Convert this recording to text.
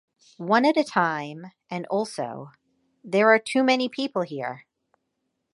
One at a time, and also, there are too many people here.